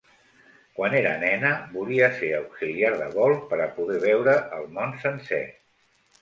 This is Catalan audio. Quan era nena volia ser auxiliar de vol per a poder veure el món sencer.